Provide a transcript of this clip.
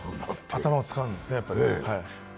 頭を使うんですね。